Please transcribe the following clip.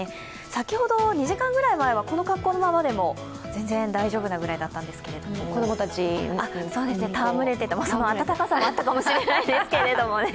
先ほど２時間くらい前はこの格好のままでも全然大丈夫なくらいだったんですけれども子供たちとたわむれていて、暖かさもあったかもしれないですけども。